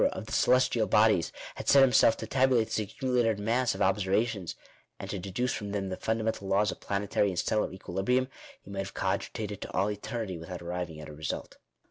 of the celestial bodies, had set himself to tabulate this accumu lated mass of observations, and to educe from them the funda mental laws of planetary and stellar equilibrium, he might have cogitated to all eternity without arriving at a result.